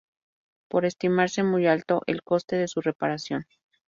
Por estimarse muy alto el coste de su reparación.